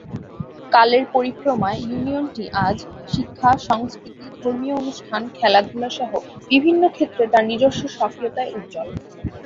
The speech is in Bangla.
কালের পরিক্রমায় ইউনিয়নটি আজ শিক্ষা, সংস্কৃতি, ধর্মীয় অনুষ্ঠান, খেলাধুলা সহ বিভিন্ন ক্ষেত্রে তার নিজস্ব স্বকীয়তায় উজ্জ্বল।